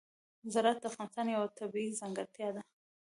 زراعت د افغانستان یوه طبیعي ځانګړتیا ده.